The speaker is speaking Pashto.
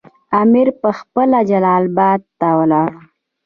امیر پخپله جلال اباد ته ولاړ.